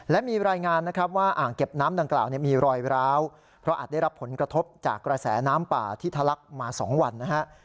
และมีรายงานนะครับว่าอ่างเก็บน้ำดังกล่าวมีรอยร้าวเพราะอาจได้รับผลกระทบจากกระแสน้ำป่าที่ทะลักมา๒วันนะฮะ